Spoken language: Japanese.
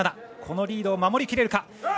このリードを守りきれるか。